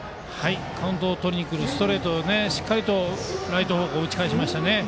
カウントをとりにくるストレートをしっかりとライト方向に打ち返しましたね。